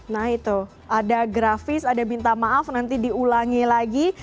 nah itu ada grafis ada minta maaf nanti diulangi lagi